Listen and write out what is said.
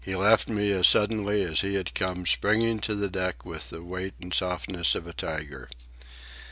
He left me as suddenly as he had come, springing to the deck with the weight and softness of a tiger.